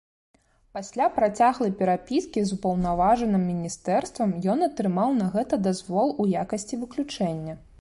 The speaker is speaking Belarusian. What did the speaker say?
Пасля працяглай перапіскі з упаўнаважаным міністэрствам ён атрымаў на гэта дазвол у якасці выключэння.